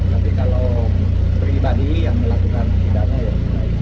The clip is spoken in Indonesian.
tapi kalau pribadi yang melakukan pidana ya